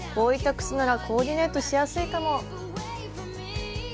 靴ならコーディネートしやすいかも。